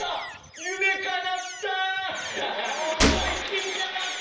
夢かなった！